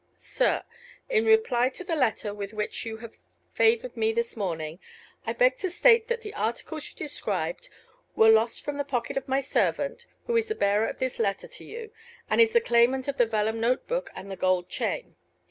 SIR, In reply to the letter with which you have favored me this morning, I beg to state that the articles you describe were lost from the pocket of my servant, who is the bearer of this letter to you, and is the claimant of the vellum note book and the gold chain.